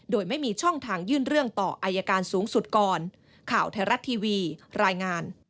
โดยไม่มีช่องทางยื่นเรื่องต่ออายการสูงสุดก่อน